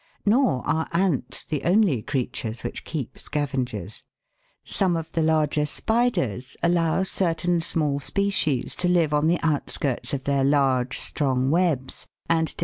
Nor are ants the only creatures which keep scavengers. Some of the larger spiders allow certain small species to live on the outskirts of their large, strong webs, and to.